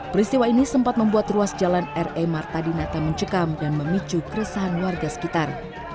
peristiwa ini sempat membuat ruas jalan r e martadina tak mencekam dan memicu keresahan warga sekitar